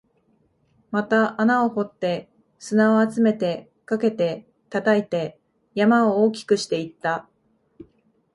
また穴を掘って、砂を集めて、かけて、叩いて、山を大きくしていった